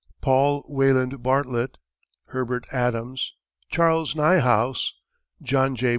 Paul Wayland Bartlett, Herbert Adams, Charles Niehaus, John J.